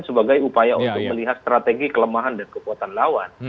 sebagai upaya untuk melihat strategi kelemahan dan kekuatan lawan